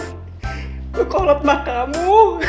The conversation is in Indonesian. ngo kolot mah kamu